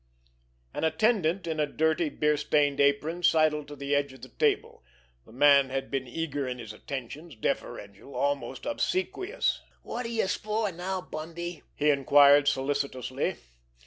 An attendant, in a dirty, beer stained apron, sidled to the edge of the table. The man had been eager in his attentions, deferential, almost obsequious. "Wot're youse for now, Bundy?" he inquired solicitously.